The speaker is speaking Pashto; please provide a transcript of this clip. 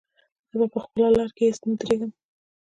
زه به په خپله لاره کې هېڅکله نه درېږم.